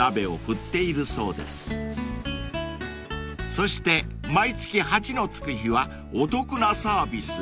［そして毎月８のつく日はお得なサービス］